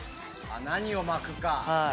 何を巻くか。